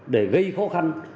để gây khó khăn